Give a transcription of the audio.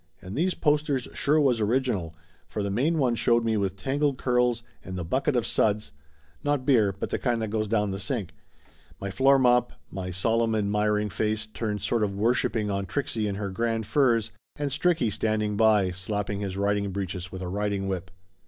And these posters sure was original, for the main one showed Laughter Limited 215 me with tangled curls and the bucket of suds, not beer but the kind that goes down the sink ; my floor mop, my solemn admiring face turned sort of worshipping on Trixie in her grand furs, and Stricky standing by, slapping his riding breeches with a riding whip.